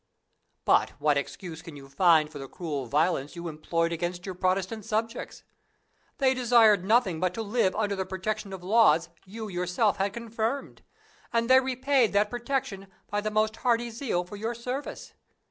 But what excuse can you find for the cruel violence you employed against your Protestant subjects? They desired nothing but to live under the protection of laws you yourself had confirmed; and they repaid that protection by the most hearty zeal for your service.